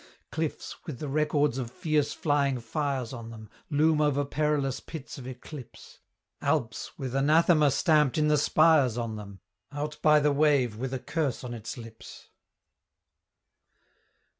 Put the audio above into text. Cliffs, with the records of fierce flying fires on them Loom over perilous pits of eclipse; Alps, with anathema stamped in the spires on them Out by the wave with a curse on its lips.